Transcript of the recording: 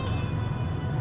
dan lebih baik